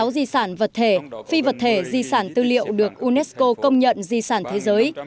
sáu di sản vật thể phi vật thể di sản tư liệu được unesco công nhận di sản thế giới